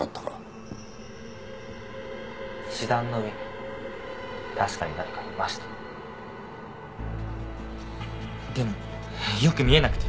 「石段の上に確かに誰かいました」でもよく見えなくて。